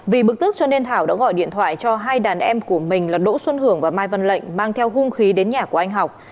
vì bực tức cho nên thảo đã gọi điện thoại cho hai đàn em của mình là đỗ xuân hưởng và mai văn lệnh mang theo hung khí đến nhà của anh học